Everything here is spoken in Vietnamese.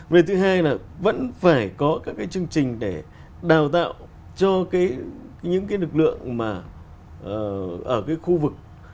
về thứ hai là vẫn phải có các cái chương trình để đào tạo cho những cái lực lượng mà ở cái khu vực